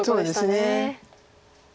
そうですね。